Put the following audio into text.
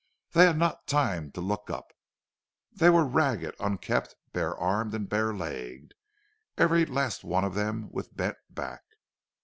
They had not time to look up. They were ragged, unkempt, barearmed and bare legged, every last one of them with back bent.